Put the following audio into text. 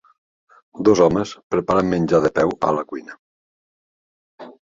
Dos homes preparen menjar de peu a la cuina.